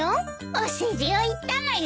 お世辞を言ったのよ。